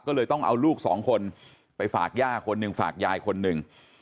ก็เลยต้องเอาลูกสองคนไปฝากย่าคนหนึ่งฝากยายคนหนึ่ง